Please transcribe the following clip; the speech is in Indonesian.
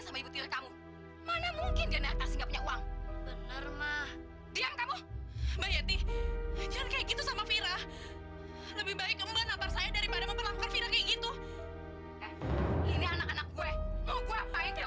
sampai jumpa di video selanjutnya